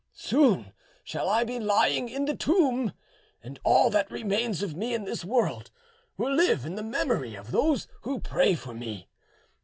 Soon shall I be lying in the tomb, and all that remains of me in this world will live in the memory of those who pray for me.